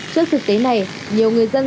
trước thực tế này nhiều người dân